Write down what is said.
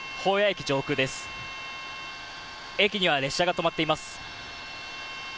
駅には列車が止まっています。